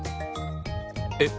えっ！